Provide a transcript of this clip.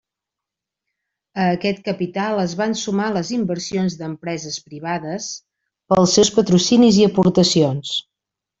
A aquest capital es van sumar les inversions d'empreses privades pels seus patrocinis i aportacions.